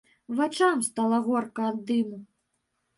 Вачам стала горка ад дыму.